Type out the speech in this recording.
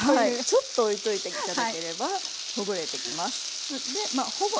ちょっとおいといて頂ければほぐれてきます。